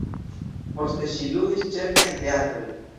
Poste ŝi ludis ĉefe en teatroj.